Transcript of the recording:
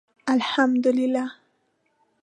الحمدالله